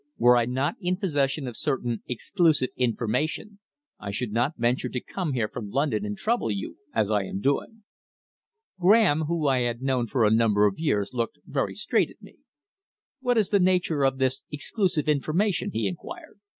"Were I not in possession of certain exclusive information I should not venture to come here from London and trouble you, as I am doing." Graham, whom I had known for a number of years, looked very straight at me. "What is the nature of this exclusive information?" he inquired.